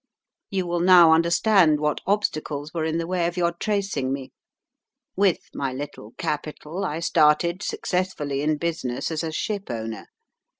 You will now understand what obstacles were in the way of your tracing me. With my little capital I started successfully in business as a ship owner.